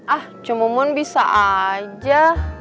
ah cuman bisa aja